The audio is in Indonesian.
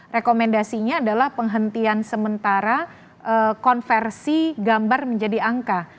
rekomendasinya adalah penghentian sementara konversi gambar menjadi angka